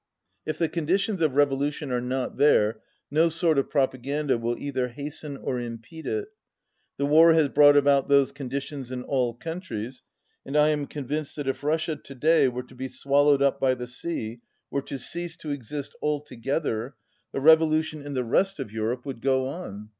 If the conditions of revolution are not there no sort of propaganda will either hasten or impede it. The war has brought about those conditions in all coun tries, and I am convinced that if Russia to day were to be swallowed up by the sea, were to cease to exist altogether, the revolution in the rest of 225 Europe would go on.